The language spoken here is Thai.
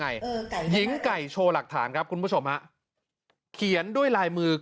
หญิงไก่โชว์หลักฐานครับคุณผู้ชมฮะเขียนด้วยลายมือ